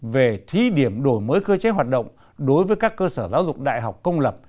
về thí điểm đổi mới cơ chế hoạt động đối với các cơ sở giáo dục đại học công lập